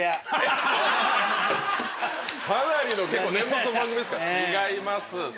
かなりの年末の番組ですかね違います。